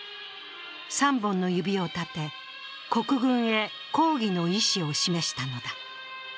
３本の指を立て、国軍へ抗議の意思を示したのだ。